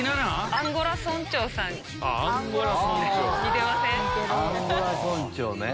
アンゴラ村長ね。